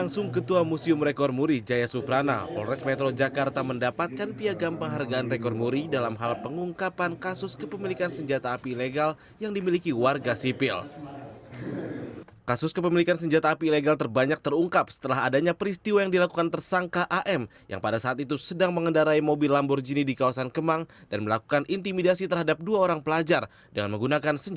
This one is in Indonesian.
setelah ada penjelasan